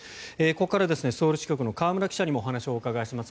ここからはソウル支局の河村記者にもお話をお伺いします。